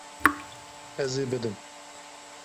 Ez ê bidim.